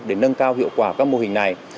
để nâng cao hiệu quả các mô hình này